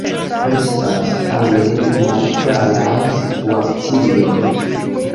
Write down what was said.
Restas tamen malklaraj situacioj.